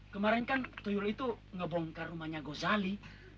kemarin kan tuyu itu ngebongkar rumahnya gozali